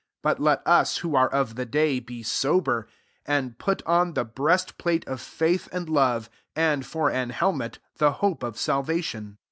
8 But let us, who are ot the day, be sober; and put on the breast plate of faith and love, and, for an helmet, the hope of salvation.